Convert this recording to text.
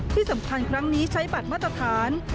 ที่สำคัญครั้งนี้ใช้บัตรมาตรฐาน